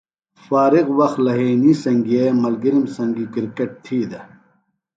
فارغ وقت لھئینی سنگئے ملگِرِم سنگیۡ کِرکٹ تھی دےۡ۔